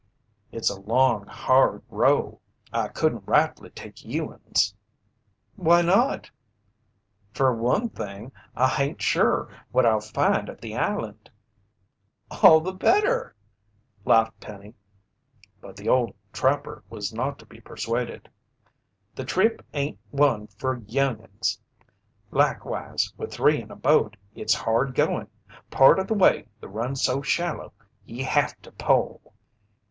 "It's a long, hard row. I couldn't rightly take you'uns." "Why not?" "Fer one thing, I hain't sure what I'll find at the island." "All the better," laughed Penny. But the old trapper was not to be persuaded. "The trip ain't one fer young'uns. Likewise, with three in a boat, it's hard goin'. Part o' the way, the run's so shallow, ye have to pole."